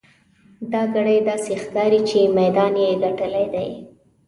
دا ګړی داسې ښکاري چې میدان یې ګټلی دی.